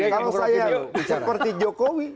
kalau saya seperti jokowi